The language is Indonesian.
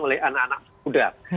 oleh anak anak muda